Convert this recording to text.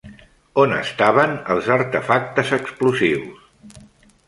On estaven els artefactes explosius?